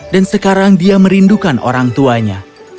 dan sekarang dia merindukan orang tuanya